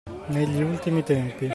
Negli ultimi tempi!